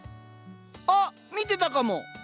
あっ見てたかも。